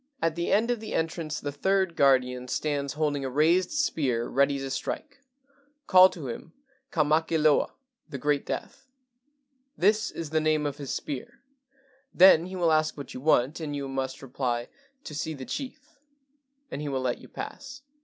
"At the end of the entrance the third guardian stands holding a raised spear ready to strike. Call to him, 'Ka make loa' [The Great Death]. This is the name of his spear. Then he will ask what you want, and you must reply, ' To see the chief,' and he will let you pass.